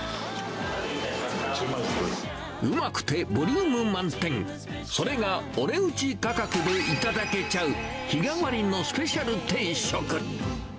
うまくて、ボリューム満点、それがお値打ち価格で頂けちゃう、日替わりのスペシャル定食。